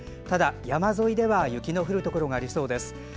ただ、山沿いでは雪の降るところがありそうです。